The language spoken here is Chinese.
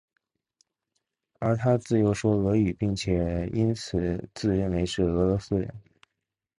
而他自幼说俄语并且因此自认为是俄罗斯人。